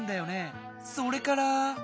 それから。